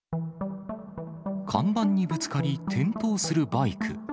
看板にぶつかり、転倒するバイク。